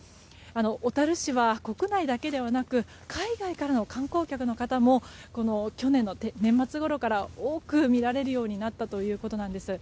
小樽市は国内だけではなく海外からの観光客の方も去年の年末ごろから多く見られるようになったということなんです。